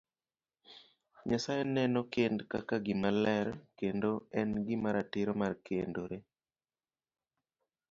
Nyasaye neno kend kaka gima ler kendo en gi ratiro mar kendore.